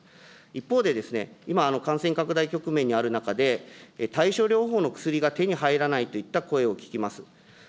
一方で、今、感染拡大局面にある中で、対処療法の薬が手に入らないといった声を聞きます。